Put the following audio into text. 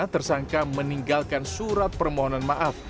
tersangka meninggalkan surat permohonan maaf